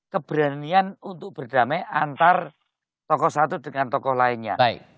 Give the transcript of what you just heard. keberanian untuk berdamai antar tokoh satu dengan tokoh lainnya